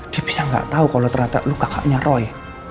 dia biasanya gak tau kalo ternyata lo kakaknya roy